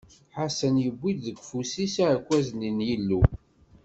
Ḥasan yewwi deg ufus-is aɛekkaz-nni n Yillu.